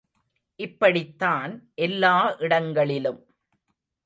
இப்படித்தான் எல்லா இடங்களிலும்!